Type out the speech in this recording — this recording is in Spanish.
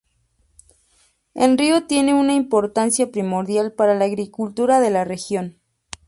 El río tiene una importancia primordial para la agricultura de la región.